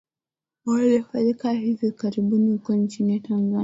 uliofanyika hivi karibuni huko nchini tanzania